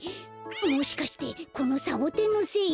もしかしてこのサボテンのせい？